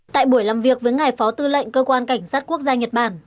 tại buổi làm việc với ngài phó tư lệnh cơ quan cảnh sát quốc gia nhật bản